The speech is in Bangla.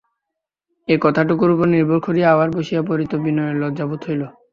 এই কথাটুকুর উপরে নির্ভর করিয়া আবার বসিয়া পড়িতে বিনয়ের লজ্জা বোধ হইল।